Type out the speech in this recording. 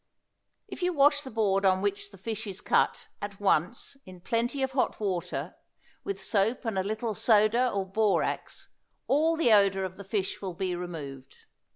If you wash the board on which the fish is cut, at once, in plenty of hot water, with soap and a little soda or borax all the odor of the fish will be removed.